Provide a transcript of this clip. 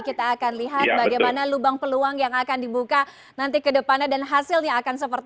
kita akan lihat bagaimana lubang peluang yang akan dibuka nanti ke depannya dan hasilnya akan seperti